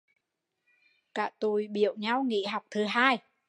Cả tụi biểu nhau nghỉ học thứ hai